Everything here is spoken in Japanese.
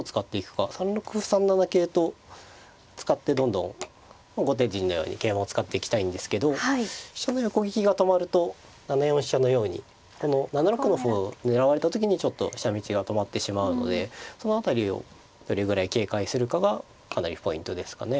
３六歩３七桂と使ってどんどん後手陣のように桂馬を使っていきたいんですけど飛車の横利きが止まると７四飛車のようにこの７六の歩を狙われた時にちょっと飛車道が止まってしまうのでその辺りをどれぐらい警戒するかがかなりポイントですかね。